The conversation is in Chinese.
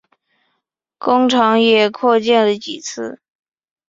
工厂也扩建了几次。